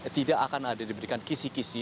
tidak akan ada diberikan kisi kisi